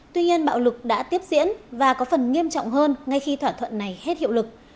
tuy nhiên bạo lực đã tiếp diễn và có phần nghiêm trọng hơn ngay khi thỏa thuận này hết hiệu lực